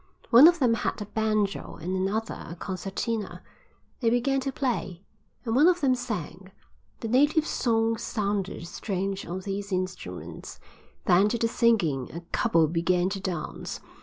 One of them had a banjo and another a concertina. They began to play, and one of them sang. The native song sounded strange on these instruments. Then to the singing a couple began to dance.